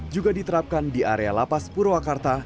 juga diterapkan di area lapas purwakarta